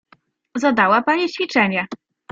Zadała pani ćwiczenie.